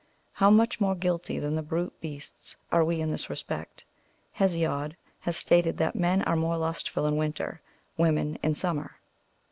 How much more guilty than the brute beasts are we in this respect ! Hesiod has stated that men^ are more lustful in winter, women in summer.